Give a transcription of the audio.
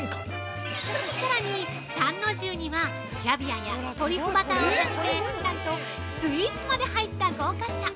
さらに参の重には、キャビアやトリュフバターをはじめ、なんとスイーツまで入った豪華さ。